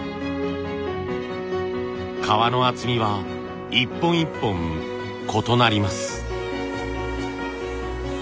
皮の厚みは一本一本異なります。